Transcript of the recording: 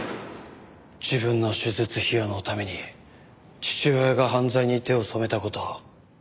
自分の手術費用のために父親が犯罪に手を染めた事を。